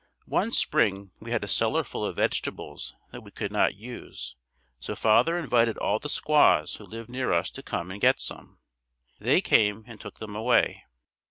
One spring we had a cellar full of vegetables that we could not use, so father invited all the squaws who lived near us to come and get some. They came and took them away.